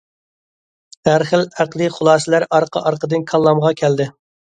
ھەر خىل ئەقلىي خۇلاسىلەر ئارقا- ئارقىدىن كاللامغا كەلدى.